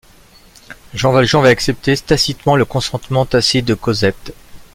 Jean Valjean avait accepté tacitement le consentement tacite de Cosette.